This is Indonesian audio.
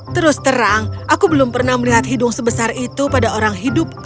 terus terang aku belum pernah melihat hidung sebesar itu pada orang hidup